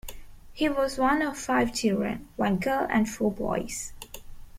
He was one of five children, one girl and four boys.